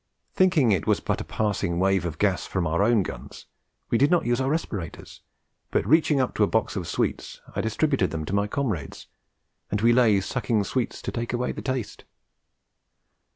Thinking it was but a passing wave of gas from our own guns, we did not use our respirators, but reaching up to a box of sweets I distributed them to my comrades, and we lay sucking sweets to take away the taste.'